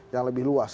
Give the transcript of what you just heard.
yang lebih luas